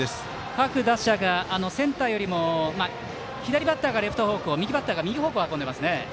各打者がセンターよりも左バッターがレフト方向右バッターが右方向運んでますね。